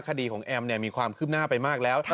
คดีของแอมมีความคืบหน้าไปมากแล้ว